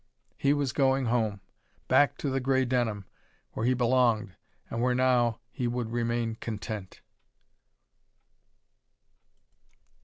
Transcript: He was going home! Back to the gray denim, where he belonged and where now he would remain content.